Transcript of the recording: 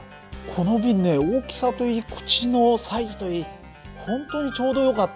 この瓶ね大きさといい口のサイズといい本当にちょうどよかったんでね